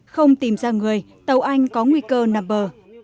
không tìm ra người tàu anh có nguy cơ nằm bờ